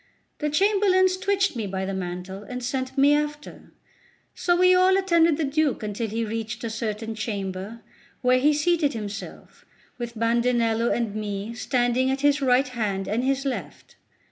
The chamberlains twitched me by the mantle, and sent me after; so we all attended the Duke until he reached a certain chamber, where he seated himself, with Bandinello and me standing at his right hand and his left.